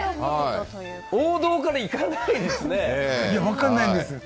王道からいかないんですね。